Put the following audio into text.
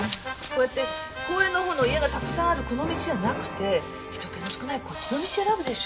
こうやって公園のほうの家がたくさんあるこの道じゃなくて人気の少ないこっちの道選ぶでしょう。